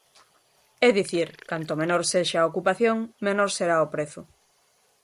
É dicir, canto menor sexa a ocupación, menor será o prezo.